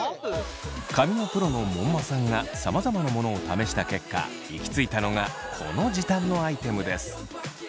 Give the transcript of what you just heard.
髪のプロの門馬さんがさまざまなものを試した結果行き着いたのがこの時短のアイテムです。